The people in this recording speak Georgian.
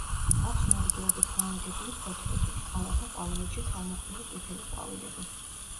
აქვს მორიგეობით განლაგებული ფოთლები, კალათა ყვავილედში თავმოყრილი ყვითელი ყვავილები.